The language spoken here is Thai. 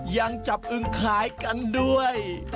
ยังจับอึงขายกันด้วย